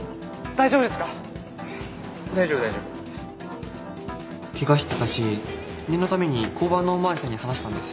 大丈夫大丈夫ケガしてたし念のために交番のおまわりさんに話したんです。